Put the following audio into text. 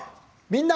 「みんな！